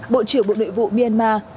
bộ trưởng bộ đội vụ myanmar